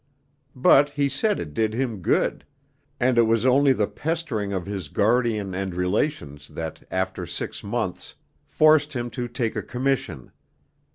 But he said it did him good; and it was only the pestering of his guardian and relations that after six months forced him to take a commission.